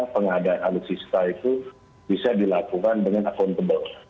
pengadaan alutsista itu bisa dilakukan dengan accountable